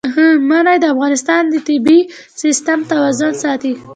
منی د افغانستان د طبعي سیسټم توازن ساتي.